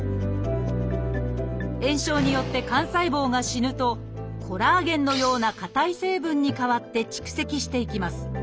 炎症によって肝細胞が死ぬとコラーゲンのような硬い成分に変わって蓄積していきます。